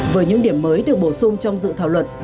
với những điểm mới được bổ sung trong dự thảo luật